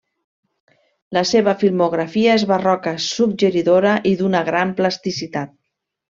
La seva filmografia és barroca, suggeridora i d'una gran plasticitat.